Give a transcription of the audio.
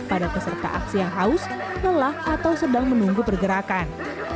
pada peserta aksi yang haus lelah atau sedang menunggu pergerakan